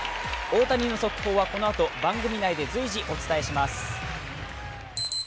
大谷の速報はこのあと番組内で随時お伝えします。